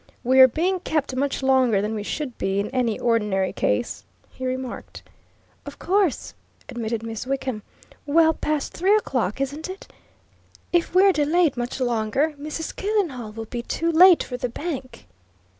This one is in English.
"We're being kept much longer than we should be in any ordinary case," he remarked. "Of course!" admitted Miss Wickham. "Well past three o'clock, isn't it? If we're delayed much longer, Mrs. Killenhall will be too late for the bank."